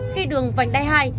khi đường vành đai hai